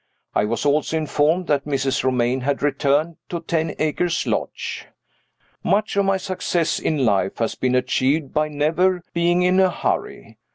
I was also informed that Mrs. Romayne had returned to Ten Acres Lodge. Much of my success in life has been achieved by never being in a hurry.